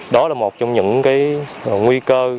đó là một trong những nguy cơ